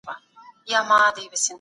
هغې د سپما او پانګونې عادت درلود.